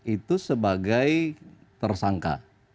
itu sebagai tersangka